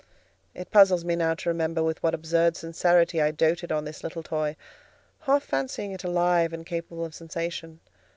It puzzles me now to remember with what absurd sincerity I doated on this little toy, half fancying it alive and capable of sensation.